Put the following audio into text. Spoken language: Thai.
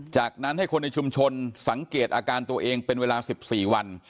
จากนั้นให้คนในชุมชนสังเกตอาการตัวเองเป็นเวลา๑๔วัน